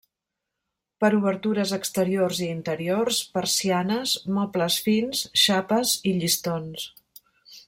Per obertures exteriors i interiors, persianes, mobles fins, xapes i llistons.